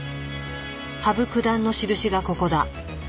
羽生九段の印がここだ。